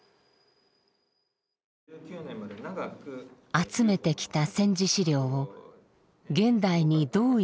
集めてきた戦時資料を現代にどう生かすか。